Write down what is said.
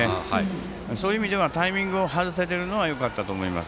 そういう意味ではタイミングを外せているのはよかったと思います。